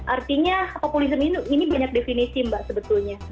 artinya populisme ini banyak definisi mbak sebetulnya